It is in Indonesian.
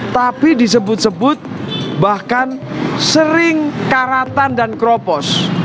tapi disebut sebut bahkan sering karatan dan kropos